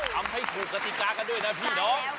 ทำให้ถูกกติกากันด้วยนะพี่น้อง